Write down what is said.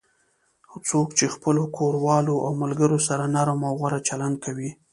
څوک چې خپلو کوروالو او ملگرو سره نرم او غوره چلند کوي